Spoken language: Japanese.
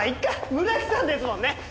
村木さんですもんね！